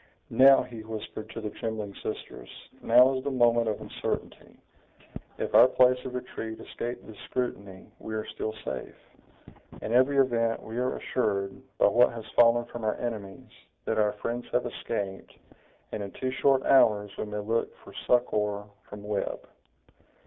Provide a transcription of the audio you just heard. "Now," he whispered to the trembling sisters, "now is the moment of uncertainty! if our place of retreat escape this scrutiny, we are still safe! In every event, we are assured, by what has fallen from our enemies, that our friends have escaped, and in two short hours we may look for succor from Webb."